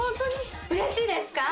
うれしいですか」